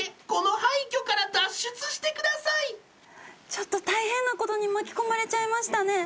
ちょっと大変なことに巻き込まれちゃいましたね。